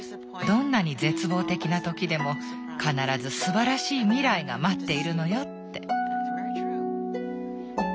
どんなに絶望的な時でも必ずすばらしい未来が待っているのよって。